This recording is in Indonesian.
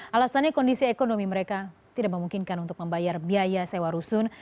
alasannya kondisi ekonomi mereka tidak memungkinkan untuk membayar biaya sewa rusun